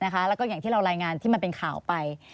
แล้วก็อย่างที่เรารายงานที่มันเป็นข่าวไป